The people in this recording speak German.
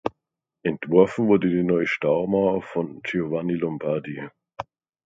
Entworfen wurde die neue Staumauer von Giovanni Lombardi.